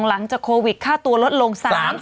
หลังจากโควิดค่าตัวลดลง๓๐